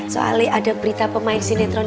soalnya ada berita pemain sinetron